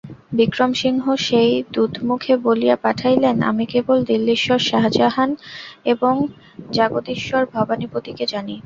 বিক্রমসিংহ সেই দূতমুখে বলিয়া পাঠাইলেন, আমি কেবল দিল্লীশ্বর শাজাহান এবং জাগদীশ্বর ভবানীপতিকে জানি।